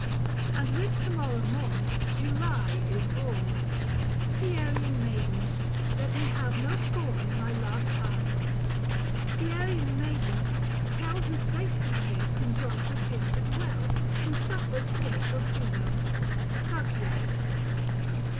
And with to morrow morn July is born !" Pierian maidens, let me have no scorn In my last task ; Pierian maidens, tell Who placed ye here conjoint with him to dwell 965 Who suffered scathe of Juno — Hercules."